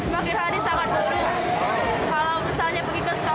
jadi gitu terganggu lah gue